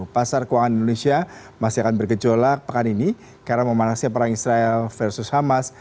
pasar keuangan indonesia masih akan bergejolak pekan ini karena memanasnya perang israel versus hamas